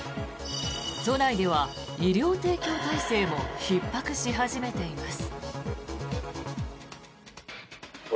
都内では医療提供体制もひっ迫し始めています。